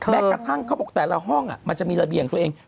แม้กระทั่งเขาบอกแต่ละห้องมันจะมีระเบียงตัวเอง